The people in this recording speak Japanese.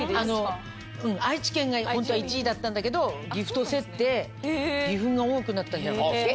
うん愛知県が本当は１位だったんだけど岐阜と競って岐阜が多くなったんじゃなかったっけ？